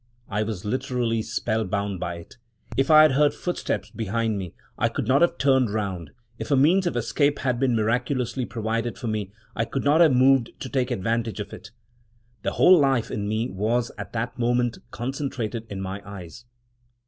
I was literally spellbound by it. If I had heard footsteps behind me, I could not have turned round; if a means of escape had been miraculously provided for me, I could not have moved to take advantage of it. The whole life in me was, at that moment, concentrated in my eyes.